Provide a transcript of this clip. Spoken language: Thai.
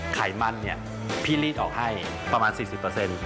ไขมันเนี่ยพี่รีดออกให้ประมาณ๔๐